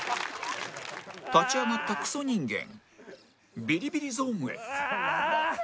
立ち上がったクソ人間ビリビリゾーンへ